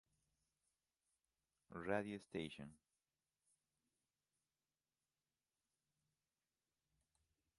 Radio Station.